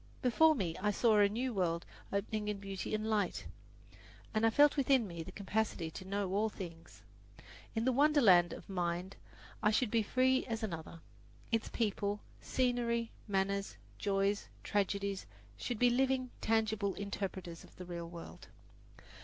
Before me I saw a new world opening in beauty and light, and I felt within me the capacity to know all things. In the wonderland of Mind I should be as free as another. Its people, scenery, manners, joys, tragedies should be living, tangible interpreters of the real world.